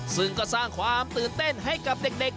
ซึ่งก็สร้างความตื่นเต้นให้กับเด็ก